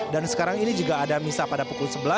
dan sekarang ini juga ada misah pada pukul sebelas